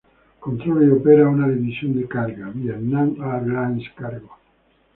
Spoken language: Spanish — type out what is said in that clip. Controla y opera una división de carga, Vietnam Airlines Cargo.